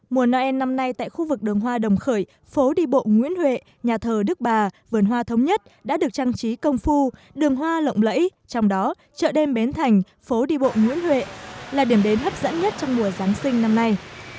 mùa noel năm nay tại khu vực đường hoa đồng khởi phố đi bộ nguyễn huệ nhà thờ đức bà vườn hoa thống nhất đã được trang trí công phu đường hoa lộng lẫy trong đó chợ đêm bến thành phố đi bộ nguyễn huệ là điểm đến hấp dẫn nhất trong mùa giáng sinh năm nay